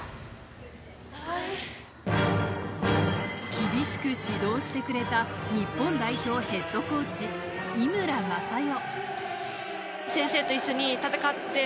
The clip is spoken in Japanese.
厳しく指導してくれた日本代表ヘッドコーチ・井村雅代。